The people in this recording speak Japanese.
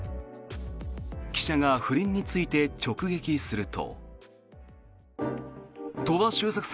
記者が不倫について直撃すると。